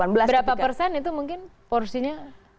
berapa persen itu mungkin porsinya